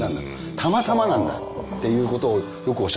たまたまなんだ」ということをよくおっしゃってましたね。